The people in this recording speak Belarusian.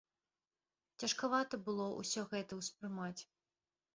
Цяжкавата было ўсё гэта ўспрымаць.